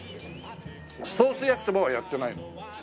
ソース焼きそばはやってないの？